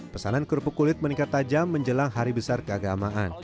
pesanan kerupuk kulit meningkat tajam menjelang hari besar keagamaan